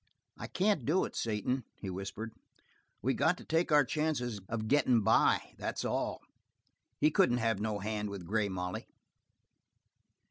"I can't do it, Satan," he whispered. "We got to take our chances of gettin' by, that's all. He couldn't have no hand with Grey Molly."